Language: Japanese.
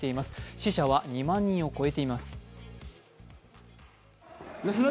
死者は２万人を超えています。